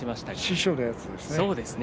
師匠のものですね。